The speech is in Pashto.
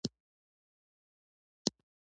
کومه ناوړه ناورین را مینځته نه سو.